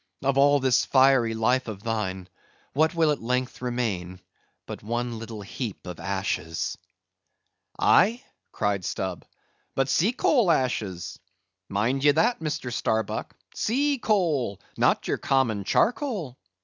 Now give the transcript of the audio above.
of all this fiery life of thine, what will at length remain but one little heap of ashes!" "Aye," cried Stubb, "but sea coal ashes—mind ye that, Mr. Starbuck—sea coal, not your common charcoal.